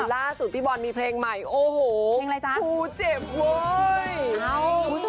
รักที่สุดพี่บอลมีเพลงใหม่โอ้โหฟูเจ็บเว้ยเพลงอะไรจ๊ะ